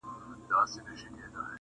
ډاکټر احسان الله درمل